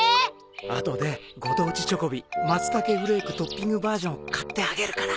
あとでご当地チョコビマツタケフレークトッピングバージョン買ってあげるから。